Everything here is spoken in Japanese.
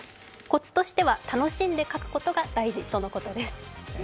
コツとしては楽しんで描くことが大事とのことです。